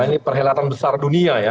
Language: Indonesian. karena ini perhelatan besar dunia ya